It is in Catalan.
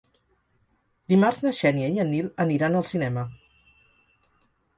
Dimarts na Xènia i en Nil aniran al cinema.